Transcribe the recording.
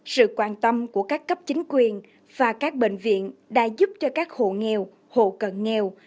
sự quan tâm của các cấp chính quyền và các bệnh viện đã giúp cho các hộ nghèo hộ cận nghèo